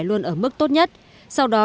luôn ở mức tốt nhất sau đó